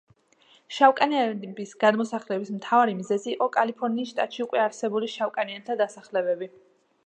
შავკანიანების გადმოსახლების მთავარი მიზეზი იყო კალიფორნიის შტატში უკვე არსებული შავკანიანთა დასახლებები.